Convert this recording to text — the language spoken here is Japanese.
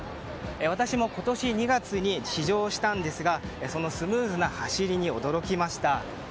私も今年２月に試乗したんですがそのスムーズな走りに驚きました。